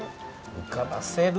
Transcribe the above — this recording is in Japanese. うかばせる？